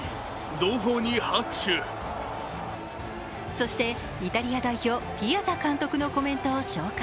そして、イタリア代表ピアザ監督のコメントを紹介。